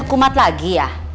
itu semualah tante